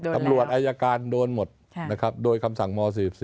อายการโดนหมดนะครับโดยคำสั่งม๔๔